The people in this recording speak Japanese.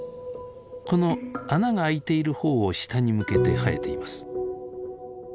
この穴が開いているほうを下に向けて生えています。